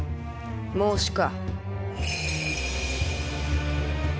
孟子か。